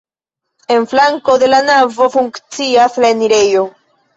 En flanko de la navo funkcias la enirejo.